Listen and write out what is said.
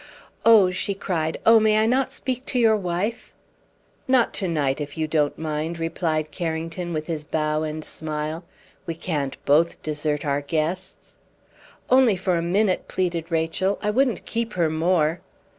"Oh!" she cried; "oh, may I not speak to your wife?" "Not to night, if you don't mind," replied Carrington, with his bow and smile. "We can't both desert our guests." "Only for a minute!" pleaded Rachel. "I wouldn't keep her more!"